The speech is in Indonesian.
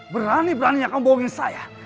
berani beraninya kamu bohongin saya